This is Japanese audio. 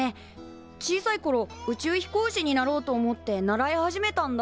小さいころ宇宙飛行士になろうと思って習い始めたんだ。